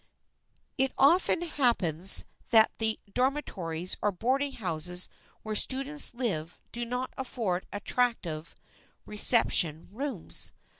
It often happens that the dormitories or boarding houses where students live do not afford attractive reception rooms.